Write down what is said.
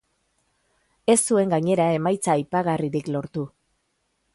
Ez zuen gainera emaitza aipagarririk lortu.